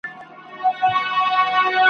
سمدستي سو پوه د زرکي له پروازه `